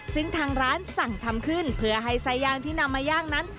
ซึ่งทางร้านสั่งทำขึ้นเพื่อให้ไส้ย่างที่นำมาย่างนั้น